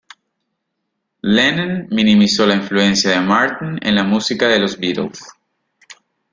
Lennon minimizó la influencia de Martin en la música de los Beatles.